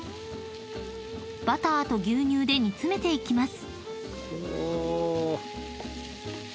［バターと牛乳で煮詰めていきます］